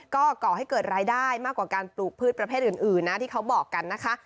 ก็ก่อให้เกิดรายได้มากกว่าการปลูกพืชประเภทอื่นนะที่เขาบอกกันนะคะ